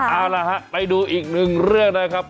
เอาล่ะฮะไปดูอีกหนึ่งเรื่องนะครับ